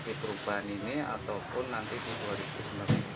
ini ataupun nanti itu berikut